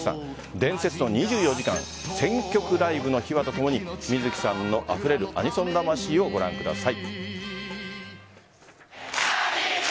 伝説の２４時間１０００曲ライブの秘話とともに水木さんのあふれるアニソン魂をご覧ください。